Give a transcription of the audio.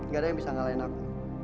gak ada yang bisa ngalahin aku